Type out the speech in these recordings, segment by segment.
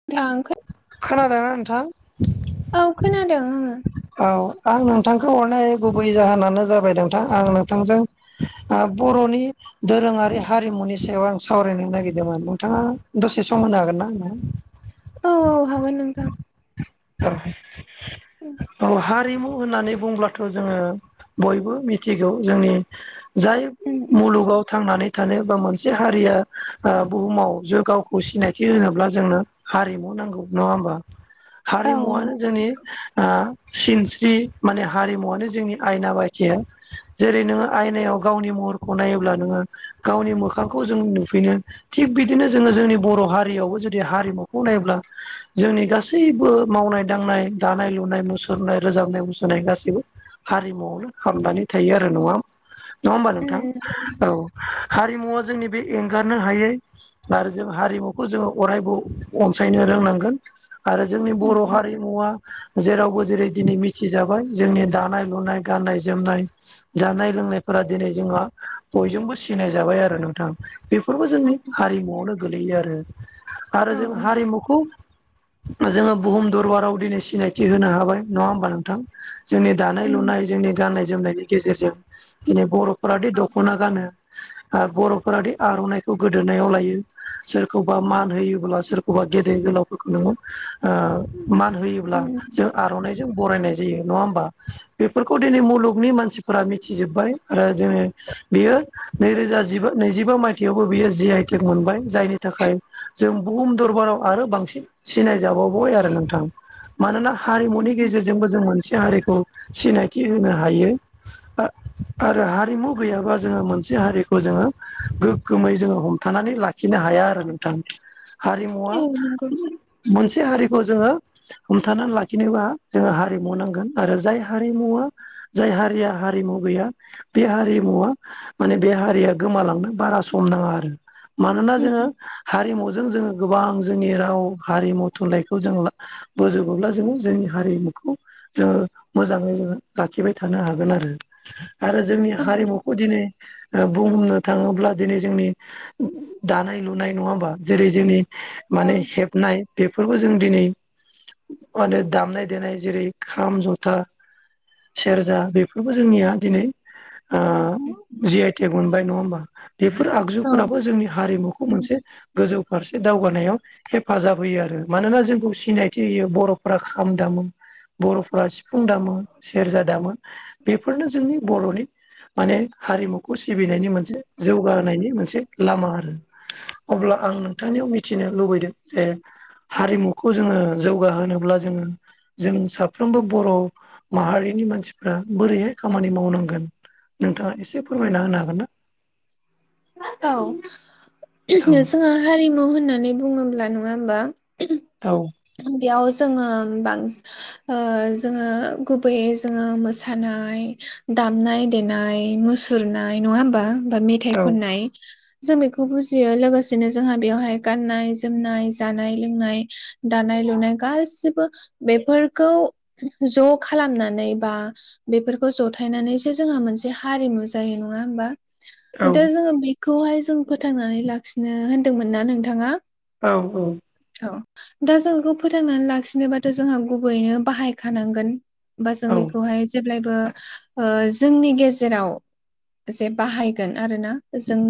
[unintelligible] खोनादों ना नोंथां। औ खोनादों आङो। औ आं नोंथांखौ हरनाय गुबै जाहोनानो जाबाय नोंथां आं नोंथांजों ओ बर'नि दोरोङारि हारिमुनि सायाव आं सावरायनो नागिरदोंमोन नोंथाङा दसे सम होनो हागोनना आंनो औ-औ हागोन नोंथां। उम औ-औ हारिमु होननानै बुंब्ला थ' जोङो बयबो मिथिगौ जोंनि जाय उम। मुलुगाव थांनानै थानो बा मोनसे हारिया ओ बुहुमाव जो गावखौ सिनायथि होनोब्ला जोंनो हारिमु नांगौ नङा होमबा औ हारिमुवानो जोंनि ओ सिनस्रि माने हारिमुवनो जोंनि आयना बाय जेरै नोङो आयनायाव गावनि महरखौ नायोब्ला नोङो गावनि मोखांखौ जों नुफिनो। थिग बिदिनो जोङो जोंनि बर' हारियावबो जुदि हारिमुखौ नायोब्ला जोंनि गासै बो मावनाय दांनाय दानाय-लुनाय मुसुरनाय रोजाबनाय मुसुनाय गासैबो हारिमुआवनो हामनानै थायो आरो नङा नङा होमबा उम नोंथां औ हारिमुवा जोंनि बे एंगारनो हायै। आरो जों हारिमुखौ जोङो अरायबो अनसायनो रोंनांगोन। आरो जोंनि उम बर' हारिमुवा जेरावबो जेरै दिनै मिथिजाबाय जोंनि दानाय लुनाय गाननाय-जोमनाय जानाय लोंनायफोरा दिनै जोंहा बयजोंबो सिनाय जाबाय आरो नोंथां। बेफोरबो जोंनि उम हारिमुआवनो गोलैयो आरो औ आरो जों हारिमुखौ जोङो बुहुम दरबाराव दिनै सिनायथि होनो हाबाय नङा होमबा नोंथां। जोंनि उम दानाय-लुनाय जोंनि गाननाय-जोमनायनि गेजेरजों दिनै बर'फोरादि औ दख'ना गानो। ओ बर'फोरादि आर'नाइखौ गोदोनायाव लायो सोरखौबा मान होयोब्ला सोर अबबा गेदेर गोलावफोरखौ नोङो ओ मान होयोब्ला उम जों आर'नाइजों बरायनाय जायो नङा होमबा? बेफोरखौ दिनै मुलुगनि मानसिफोरा मिथिजोब्बाय आरो जोङो बियो नैरोजा जिबा नैजिबा मायथाइयावबो बेयो जि आइटिक मोनबाय जायनि थाखाय जों बुहुम दरबाराव आरो बांसिन सिनायजाबावबाय आरो नोंथां। मानोना हारिमुनि गेजेरजोंबो जों मोनसे हारिखौ सिनायथि होनो हायो बा आरो हारिमु गैयाबा जोङो मोनसे हारिखौ जोङो गोग्गोमै जोङो हमथानानै लाखिनो हाया आरो नोंथां। हारिमुवा औ नंगौ मोनसे हारिखौ जोङो हमथानानै लाखिनोबा जोंङो हारिमु नांगोन आरो जाय हारिमुवा जाय हारिया हारिमु गैया बे हारिमुवा माने बे हारिया गोमालांनो बारा सम नाङा आरो। मानोना उम जोङो हारिमुजों जोङो गोबां जोंनि राव हारिमु थुनलाइखौ जों बोजोबोब्ला जोङो जोंनि हारिमुखौ जोङो मोजाङै जोङो लाखिबाय थानो हागोन आरो आरो जोंनि उम हारिमु खौ दिनै ओ बुंनो थाङोब्ला दिनै जोंनि दानाय लुनाय नङा होमबा? जेरै जोंनि औ माने हेब नाय बेफोरखौ जों दिनै मानो दामनाय देनाय जेरै खाम, जथा सेरजा बेफोरबो जोंनिया दिनै आ [inaudible] जि आइ टि मोनबाय नङा होमबा? बेफोर औ आगजुफोराबो जोंनि हारिमुखौ मोनसे गोजौ फारसे दावगानायाव हेफ फाजाब होयो आरो मानोना जोंखौ सिनायथि होयो बर'फ्रा खाम दामो। बर'फोरा सिफुं दामो, सेरजा दामो बेफोरनो जोंनि बर'नि माने हारिमुखौ सिबिनायनि मोनसे जौगानायनि मोनसे लामा आरो। अब्ला आं नोंथांनियाव मिथिनो लुबैदों जे हारिमुखौ जोङो जौगाहोनोब्ला जोङो जों साफ्रोमबो बर' माहारिनि मानसिफ्रा बोरैहाय खामानि मावनांगोन? नोंथाङा एसे फोरमायना होनो हागोन ना? औ औ जोंहा हारिमु होननानै बुङोब्ला नङा होमबा औ। बेयाव जोङो बांसि ओ जोङो गुबैयै जोङो मोसानाय दामनाय देनाय मो सुरनाय नङा होमबा? बा मेथाइ खननाय जों बेखौ बुजियो लोगोसेनो जोंहा बेयावहाय गाननाय जोमनाय, जानाय लोंनाय दानाय लुनाय गासिबबो बेफोरखौ ज' खालामनानै बा बेफोरखौ जथायनानैसो जोंहा मोनसे हारिमु जायो नङा होमबा? औ दा जोङो बेखौहाय जों फोथांनानै लाखिनो होनदोंमोन ना नोंथाङा? औ औ। औ दा जों इखौ फोथांनानै लाखिनोबाथ' जोंहा गुबैयैनो बाहायखानांगोन। होमबा जों औ बेखौहाय जेब्लायबो ओ जोंनि गेजेराव जे बाहायगोन आरो ना? जों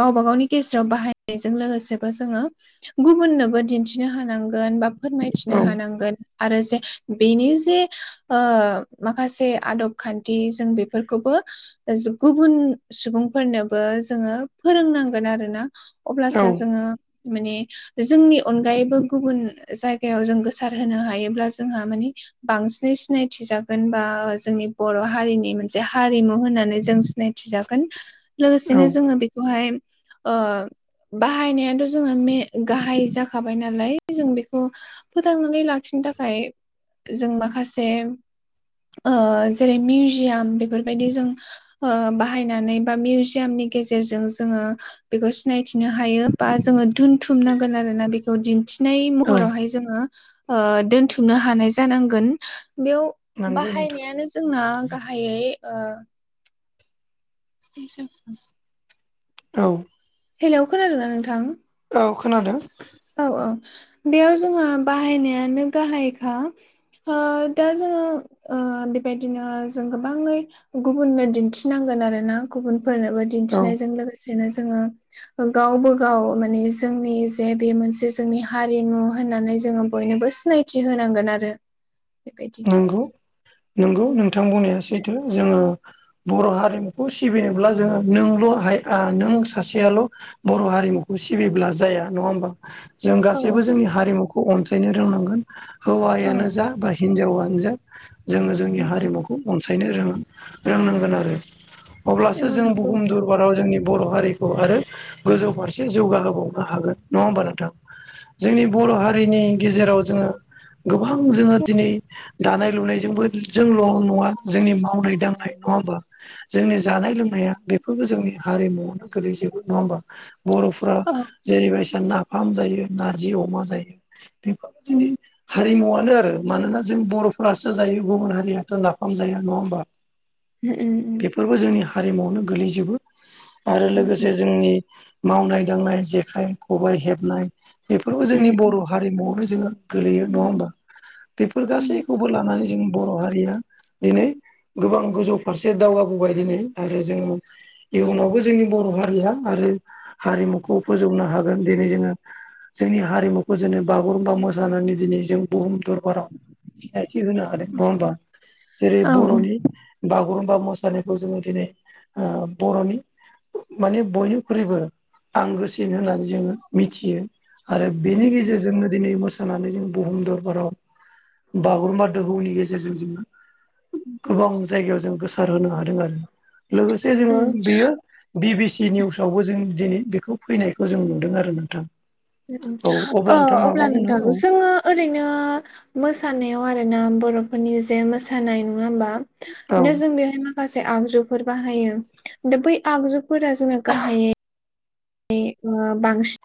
गावबा गावनि गेज्राव बाहायनायजों लोगोसेबो जोङो गुबुननोबो दिन्थिनो हानांगोन बा फोरमायथिनो हानांगोन। आरो जे बेनि जे ओ माखासे आदब खान्थि जों बेफोरखौबो ओ जो गुबुन सुबुंफोरनोबो जोङो फोरोंनांगोन आरोना। औ अब्लासो जोङो माने जोंनि अनगायैबो गुबुन जायगायाव जों गोसार होनो हायोब्ला जोंहा मानि बांसिनै सिनायथि जागोन बा जोंनि बर' हारिनि मोनसे हारिमु होननानै जों सिनायथि जा गोन औ लोगोसेनो जोङो बेखौहाय ओ बाहायनायानथ' जोंना मे गाहाइ जाखाबाय नालाय जों बेखौ फोथांनानै लाखिनो थाखाय जों माखासे ओ जेरै मिउजियाम बेफोरबायदि जों ओ बाहायनानै बा मिउजियामनि गेजेरजों जोङो बेखौ सिनायथिनो हायो। बा जोङो दोनथुमनांगोन आरोना बेखौ दिन्थिनाय औ महरावहाय जोङो ओ दोन्थुमनो हानाय जांगोन बेयाव नंगौ नोंथां बाहायनायानो जोंना गाहाइयै ओ [unintelligible] औ। हेलौ खोनादोंना नोंथां? औ खोनादों। औ औ बेयाव जोहा बाहायनायानो गाहायखा। ओ दा जोङो ओ बे बायदिनो जों गोबाङै गुबुननो दिन्थिनांगोन आरो ना गुबुनफोरनोबो औ दिन्थिनायजों लोगोसेनो जोङो गावबो गाव माने जोंनि जे बे मोनसे जोंनि हारिमु होननानै जोङो बयनोबो सिनायथि होनांगोन आरो। बेबायदि नंगौ नंगौ नोंथां बुंनाया सैथो। जोङो बर' हारिमुखौ सिबिनोब्ला जोङो नोंल' नों सासेयाल' बर' हारिमुखौ सिबिब्ला जाया नङा होमबा। जों औ गासैबो जोंनि हारिमुखौ अनसायनो रोंनांगोन औ हौवायानो जा बा हिनजावानो जा जोङो जोंनि हारिमुखौ अनसायनो रो-रोंनांगोन आरो अब्लासो औ जों नंगौ बुहुम दरबाराव जोंनि बर' हारिखौ आरो गोजौ फारसे जौगाहोबावनो हागोन नङा होमबा नोंथां। जोंनि बर' हारिनि गेजेराव जोङो गोबां जोङो दिनै दानाय लुनायजोंबो जोंल' नङा जोंनि मावनाय दांनाय नङा होमबा। जोंनि जानाय लोंनाया बेफोरबो जोंनि हारिमुवावनो गोलैजोबो नङा होमबा। बर'- फ्रा औ जेरैबायदिसिना नाफाम जायो, नारजि अमा जायो, बेफोर जोंनि हारिमुवानो आरो। मानोना जों बर'फोरासो जायो गुबुन हारियाथो नाफाम जाया नङा होमबा। ओ ओ। बो जोंनि हारिमावनो गोलैजोबो आरो उम लोगोसे उम जोंनि मावनाय-दांनाय, जेखाइ-खबाइ हेबनाय, बेफोरखौ जोंनि उम बर' हारिमुवावनो जोङो गोलैयो उम नङा उम होमबा। उम बेफोर उम गासैखौबो लानानै जों बर' हारिया दिनै गोबां गोजौ फारसे दावगाबोबाय दिनै आरो जों इयुनावबो जोंनि बर' हारिया आरो हारिमुखौ फोजौनो हागोन दिनै जोङो जोंनि हारिमुखौ जोङो बागुरुम्बा मोसानानै दिनै जों बुहुम दरबाराव सिनायथि होनो हादों नङा होनबा। जेरै औ औ बर'नि बागुरुम्बा मोसानायखौ जोङो दिनै बर'नि माने बयनिख्रुइबो आंगोसिन होननानै जोङो मिथियो। आरो बेनि उम गेजेरजोंनो दिनै मोसानानै जों बुहुम दरबाराव बागुरुम्बा दोहौनि गेजेरजों जोङो गोबां जायगायाव जों गोसारहोनो हादों आरो। लोगोसे जोङो उम बेयो बि बि सि निउसावबो जों दिनै बेखौ फैनायखौ जों नुदों आरो नोंथां। औ ओ नोंथां माबा अब्ला बुंनो नोंथां औ जोङो ओरैनो मोसानायाव आरोना बर'फोरनि जे मोसानाय नङा होमबा। औ ना जों बेवहाय माखासे आगजुफोर बाहायो दा बै आगजु फोर जोङो गाहाइयै बांसिन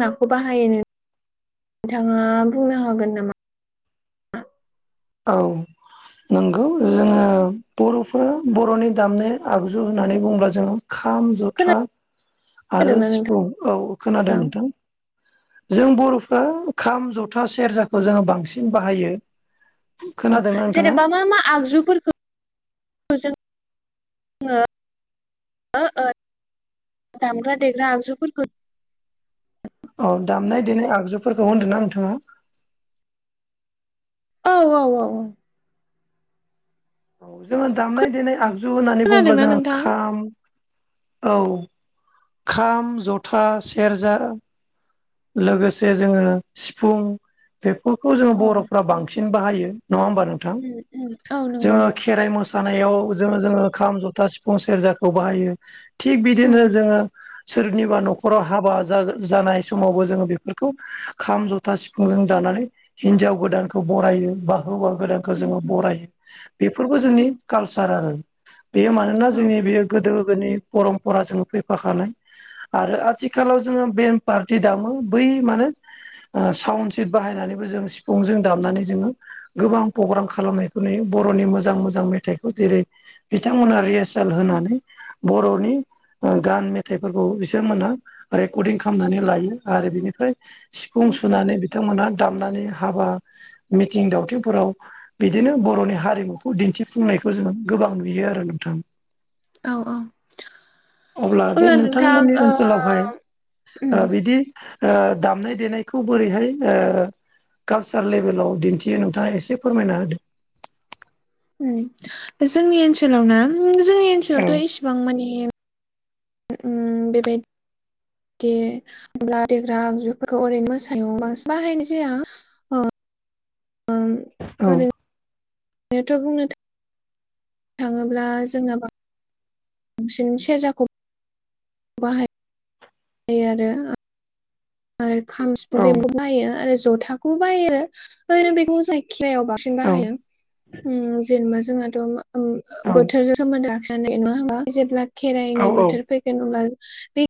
माखौ बाहायोमोन। नोंथाङा बुंनो हागोन नामा? औ। नंगौ जोङो बर'फोरा बर'नि दामनाय आगजु होननानै बुङोब्ला जोङो खाम जथा आरो खोनादोंना सिफुं औ खोनादों नोंथां। जों बर'फ्रा खाम जथा सेरजाखौ जोङो बांसिन बाहायो। औ खोनादोंना नोंथाङा? जेनेबा मा मा आगजुफोरखौ [unintelligible] दामग्रा देग्रा आगजुफोरफोरखौ औ दामनाय देनाय आगजुफोरखौ होनदों ना नोंथाङा। औ औ औ औ। औ जोङो दामनाय देनाय आगजु होननानै बुङोब्ला खोनादोंना जोङो नोंथां खाम औ खाम जथा सेरजा लोगोसे जोङो सिफुं बेफोरखौ जोङो औ बर'फ्रा बां बांसिन बाहायो नङा होमबा नोंथां उम उम औ नंगौ जोङो खेराइ मोसानायाव जों जोंङो खाम जथा सिफुं सेरजाखौ बाहायो। थिग औ बिदिनो उम जोङो सोरनिबा न'खराव हाबा जागो जानाय समावबो जोङो बेफोरखौ खाम जथा सिफुंजों दानानै हिनजाव गोदानखौ बरायो बा हौवा गोदान खो जोङो बरायो बेफोरबो जोंनि उम कालसार आरो बेयो मानोना औ जोंनि बेयो गोदो गोदनि परमपरा जोंङो फैफाखानाय आरो आथिखालाव जोङो बे पार्टि दामो बै मानो सावन सेट बाहायनानैबो जों सिफुंजों दामनानै जोङो गोबां प्ग्राम खालामनायखौ नुयो बर'नि मोजां मोजां मेथाइखौ जेरै बिथांमोना रिहार्साल होनानै बर'नि गान मेथाइफोरखौ बिथांमोनहा रेकर्डिं खालामनानै लायो आरो बिनिफ्राय सिफुं उम उम सुनानै बिथांमोनहा दामनानै हाबा मिथिं दावथिंफोराव बिदिनो बर'नि हारिमुखौ दिन्थिफुंनायखौ जोङो गोबां नुयो आरो नोंथां। औ औ अब्ला बे नोंथां नोंथांमोननि ओ ओनसोलावहाय उम ओ बिदि दामनाय देनायखौ बोरैहाय ओ कालसार लेभेलाव दिन्थियो नोंथाङा एसे फोरमायना होदो। उम जोंनि ओनसोलाव ना जोंनि औ ओनसोलावथ' इसेबां मानि उम बेबाय दि होमब्ला देग्रा आगजुफोरखौ ओरैनो मोसायो बांसिन बाहायनाय जाया ओ औ ओरै ओरैथ' बुंनो थाङोब्ला जोंनाबा बांसिन सेरजाखौ बाहायो आरो आरो खाम सिफुं औ बेंबु बायो आरो जथाखौबो बाहायो। ओरैनो बेखौ जायखिजायाव बांसिन औ बाहायो जेनेबा जोंनाथ' औ बोथोरजों सोमोन्दो लाखिनानै नङा हा जेब्ला खेराइनि बोथोर औ फैगोन होनब्ला बे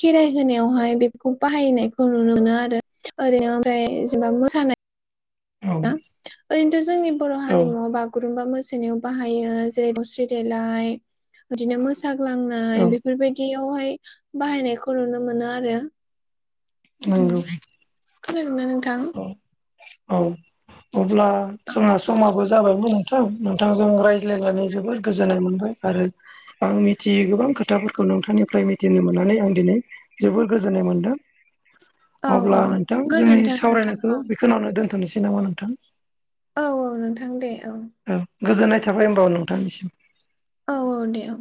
खेराइ होनायावहाय बेफोरखौ बाहायनायखौ नुनो मोनो आरो ओरैनो ओमफ्राय जेनेबा मोसानाय औ ओरैनोथ' जोंनि बर' औ हारिमुआव बाग बागुरुम्बा मोसानायाव बाहायो जेरै दावस्रि देलाय बिदिनो मोसाग्लांना औ बेफोरबायदियावहाय बाहायनायखौ नुनो मोनो आरो। नंगौ। खोनादोंना नोंथां? औ औ अब्ला औ जोंहा समाबो जाबायमोन। नोंथां नोंथांजों रायज्लायनानै जोबोर गोजोननाय मोनबाय आरो आं मिथियै गोबां खोथाफोरखौ नोंथांनिफ्राय मिथिनो मोननानै आं दिनै जोबोर गोजोननाय मोन्दों। [inaudible] अब्ला नोंथां जोंनि गोजोनथों नोंथां सावरायनायखौ बेखिनावनो दोनथ'नोसै नामा नोंथां? औ औ नोंथां दे औ। औ गोजोननाय थाबाय होमबा नोंथांनिसिम। औ औ दे औ।